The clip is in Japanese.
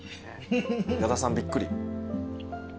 矢田さんびっくり。